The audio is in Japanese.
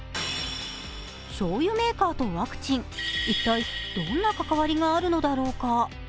しょうゆメーカーとワクチン、一体どんな関わりがあるのだろうか。